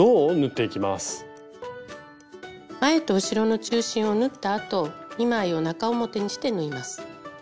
前と後ろの中心を縫ったあと２枚を中表にして縫います。